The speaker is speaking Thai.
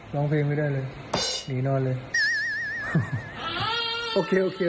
ร้องเพลงไม่ได้เลยหนีนอนเลย